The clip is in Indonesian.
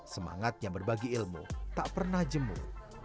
semangatnya berbagi ilmu tak pernah jemur